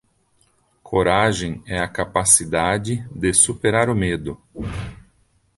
Coragem é a capacidade de superar o medo.